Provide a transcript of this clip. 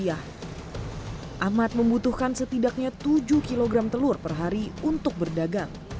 ahmad membutuhkan setidaknya tujuh kg telur per hari untuk berdagang